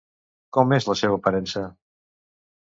Com és la seva aparença?